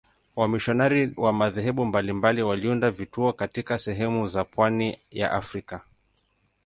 Wamisionari wa madhehebu mbalimbali waliunda vituo katika sehemu za pwani ya Afrika.